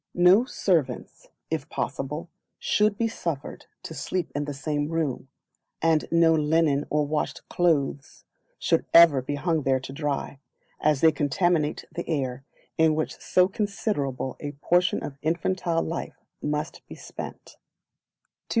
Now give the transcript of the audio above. No Servants, if possible, should be suffered to sleep in the same room, and no linen or washed clothes should ever be hung there to dry, as they contaminate the air in which so considerable a portion of infantile life must be spent.